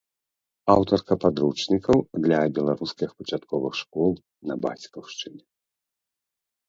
Аўтарка падручнікаў для беларускіх пачатковых школ на бацькаўшчыне.